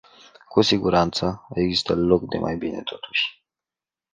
Cu siguranță, există loc de mai bine, totuși.